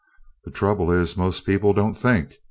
The trouble is most people don't think.